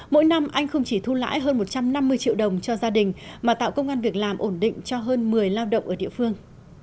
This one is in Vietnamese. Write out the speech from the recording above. mỗi năm anh không chỉ thu lãi hơn một trăm năm mươi triệu đồng cho gia đình mà tạo công an việc làm ổn định cho hơn một mươi lao động ở địa phương